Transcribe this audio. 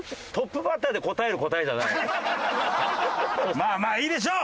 まあまあいいでしょう。